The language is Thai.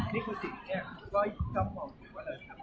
นิกุศิเนี่ยก็ต้องมองอยู่กว่าแล้วนะครับ